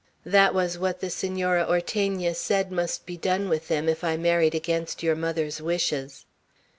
That was what the Senora Ortegna said must be done with them if I married against your mother's wishes."